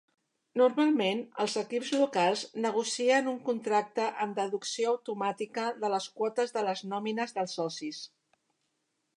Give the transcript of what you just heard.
Normalment, els equips locals negocien un contracte amb deducció automàtica de les quotes de les nòmines dels socis.